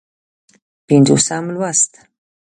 پينځوسم لوست